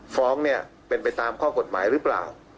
ฟ้องเนี่ยเป็นไปตามข้อกฎหมายหรือเปล่า